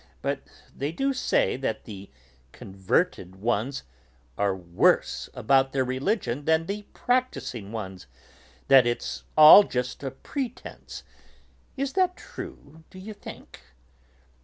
But they do say that the converted ones are worse about their religion than the practising ones, that it's all just a pretence; is that true, d'you think?"